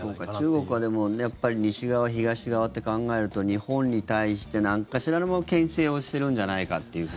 中国は西側、東側と考えると日本に対してなんかしらのけん制をしているんじゃないかという。